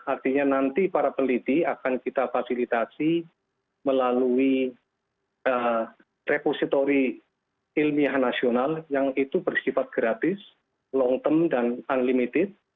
artinya nanti para peneliti akan kita fasilitasi melalui repository ilmiah nasional yang itu bersifat gratis long term dan unlimited